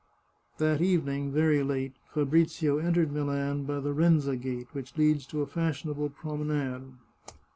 " That evening, very late, Fabrizio entered Milan by the Renza gate, which leads to a fashionable promenade.